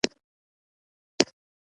تاسو به کله موږ سره ګډون وکړئ